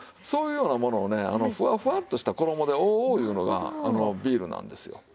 そういうようなものをねフワフワッとした衣で覆おういうのがビールなんですよ。